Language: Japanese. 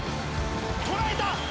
捉えた！